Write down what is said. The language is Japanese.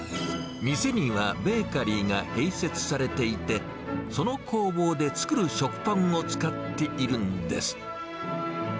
店にはベーカリーが併設されていて、その工房で作る食パンを使っているんです。